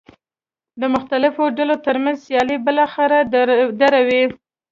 د مختلفو ډلو ترمنځ سیالۍ بالاخره دروي.